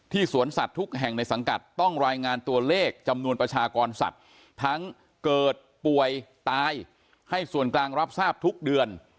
สวนสัตว์ทุกแห่งในสังกัดต้องรายงานตัวเลขจำนวนประชากรสัตว์ทั้งเกิดป่วยตายให้ส่วนกลางรับทราบทุกเดือน